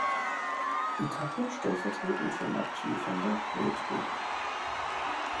Etappe stellvertretend für Mathieu van der Poel trug.